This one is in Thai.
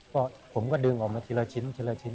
ก็ผมก็ดึงออกมาทีละชิ้นทีละชิ้น